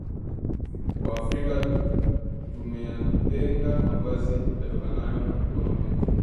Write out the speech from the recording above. Waafrika tumeyatenga mavazi yanayotokana na mikono yetu